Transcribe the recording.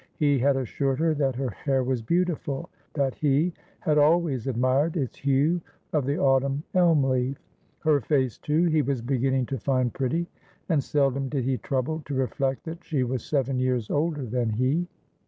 He had assured her that her hair was beautifulthat he had always admired its hue of the autumn elm leaf. Her face, too, he was beginning to find pretty, and seldom did he trouble to reflect that she was seven years older than he.